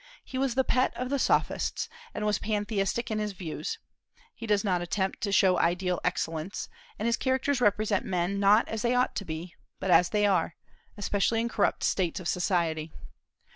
He was the pet of the Sophists, and was pantheistic in his views. He does not attempt to show ideal excellence, and his characters represent men not as they ought to be, but as they are, especially in corrupt states of society.